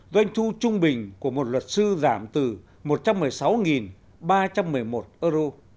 doanh thu trung bình của một luật sư giảm từ một trăm một mươi sáu ba trăm một mươi một euro